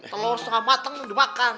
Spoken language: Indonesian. telur setengah batang udah dimakan